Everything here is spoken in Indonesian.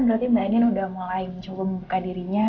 berarti mbak andin udah mulai mencoba membuka dirinya